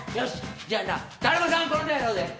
じゃあなだるまさんが転んだやろうぜ。